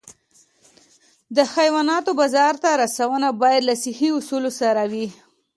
د حیواناتو بازار ته رسونه باید له صحي اصولو سره وي.